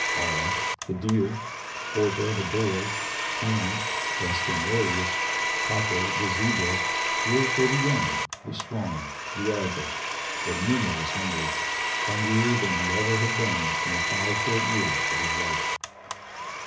Bara, the deer, Horta, the boar, and, best and wariest, Pacco, the zebra, were for the young, the strong, and the agile, but Numa was hungry hungrier than he ever had been in the five short years of his life.